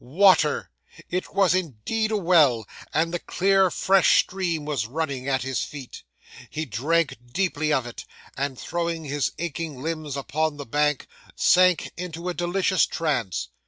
Water! It was indeed a well; and the clear fresh stream was running at his feet. He drank deeply of it, and throwing his aching limbs upon the bank, sank into a delicious trance.